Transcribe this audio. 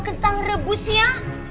bukan bau yang rebus ya